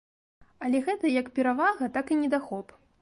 Але гэта як перавага, так і недахоп.